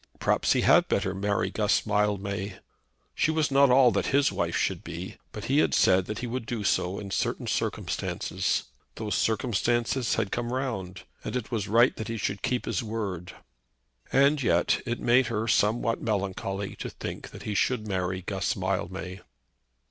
Perhaps he had better marry Guss Mildmay. She was not quite all that his wife should be; but he had said that he would do so in certain circumstances. Those circumstances had come round and it was right that he should keep his word. And yet it made her somewhat melancholy to think that he should marry Guss Mildmay.